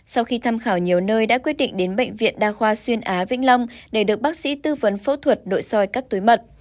sau khi tham khảo nhiều nơi đã quyết định đến bệnh viện đa khoa xuyên á vĩnh long để được bác sĩ tư vấn phẫu thuật nội soi cắt túi mật